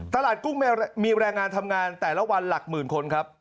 กุ้งมีแรงงานทำงานแต่ละวันหลักหมื่นคนครับ